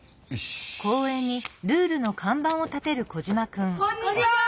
あこんにちは。